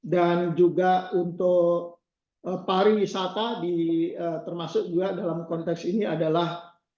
juga untuk pariwisata termasuk juga dalam konteks ini adalah